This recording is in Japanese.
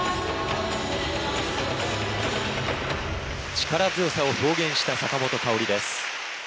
力強さを表現した坂本花織です。